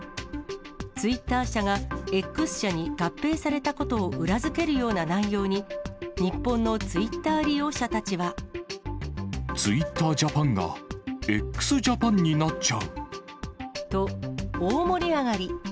ツイッター社がＸ社に合併されたことを裏付けるような内容に、ツイッタージャパンが、と、大盛り上がり。